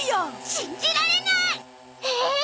信じられない！ええ！？